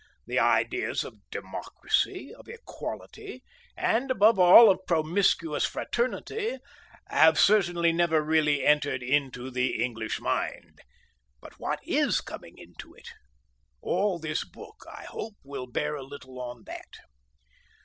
The ideas of democracy, of equality, and above all of promiscuous fraternity have certainly never really entered into the English mind. But what is coming into it? All this book, I hope, will bear a little on that.